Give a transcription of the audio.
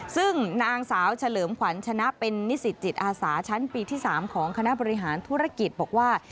ซึ่งนางสาวเฉลิมขวัญชนะเป็นนิสิตจิตอาสาชั้นปีที่๓ของคณะบริหารธุรกิจบอกว่า